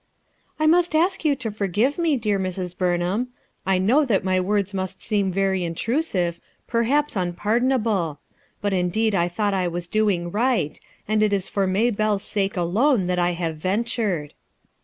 "I must ask you to forgive me, dear Mrs. Burnham. I know that my words must seem very intrusive, perhaps unpardonable; but indeed I thought I was doing right, and it is for Maybelle's sake alone that I have ventured."